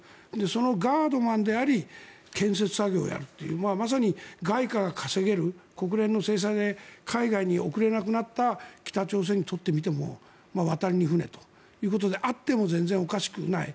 そのガードマンであり建設作業をやるというまさに外貨が稼げる国連の制裁で海外に送れなくなった北朝鮮にとってみても渡りに船ということであっても全然おかしくない。